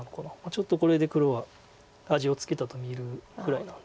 ちょっとこれで黒は味をつけたと見るぐらいなんですか。